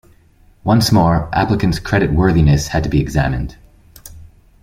Once more, applicants' credit-worthiness had to be examined.